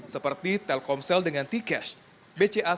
seperti telkomsel dengan t cash bca sakuku dan bri dengan yap